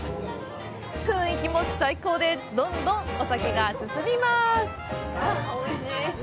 雰囲気も最高で、どんどんお酒が進みます。